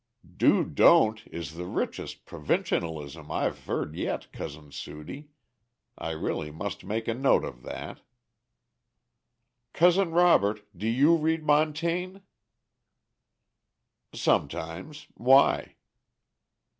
"'Do don't' is the richest provincialism I have heard yet, Cousin Sudie. I really must make a note of that." "Cousin Robert, do you read Montaigne?" "Sometimes. Why?"